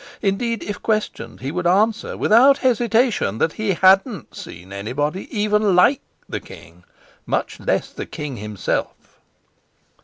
Indeed, if questioned, he would answer without hesitation that he hadn't seen anybody even like the king, much less the king himself."